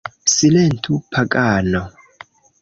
Silentu pagano!